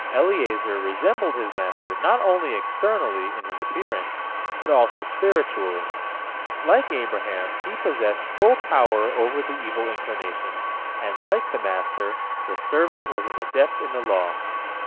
Eliezer resembled his master not only externally, in his appearance, but also spiritually. Like Abraham he possessed full power over the evil inclination, and like the master, the servant was an adept in the law.